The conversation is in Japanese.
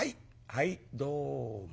はいどうも。